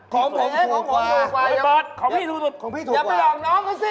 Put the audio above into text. ของผมถูกกว่าของเบอร์ดของพี่ถูกกว่าของพี่ถูกกว่าอย่าไปหลอกน้องกันสิ